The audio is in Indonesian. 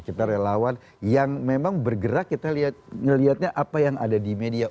kita relawan yang memang bergerak kita melihatnya apa yang ada di media